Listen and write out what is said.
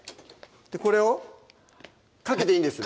これをかけていいんですね？